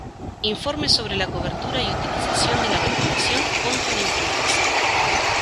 Informes sobre la cobertura y utilización de la vacunación contra la influenza